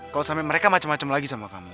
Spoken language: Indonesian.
kalo sampe mereka macem macem lagi sama kamu